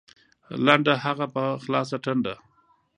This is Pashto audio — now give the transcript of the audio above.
لنډه هغه په خلاصه ټنډه